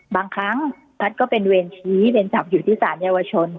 บางครั้งแพทย์ก็เป็นเวรชี้เวรจับอยู่ที่สารเยาวชน